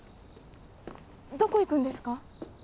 どこ行くんですか？